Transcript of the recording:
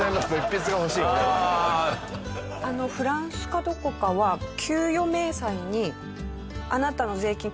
フランスかどこかは給与明細に「あなたの税金